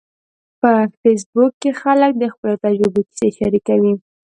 په فېسبوک کې خلک د خپلو تجربو کیسې شریکوي.